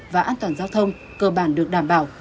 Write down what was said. và an toàn giao thông cơ bản được đảm bảo